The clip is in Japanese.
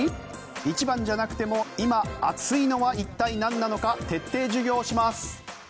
一番じゃなくても今、熱いのは一体何なのか徹底授業します。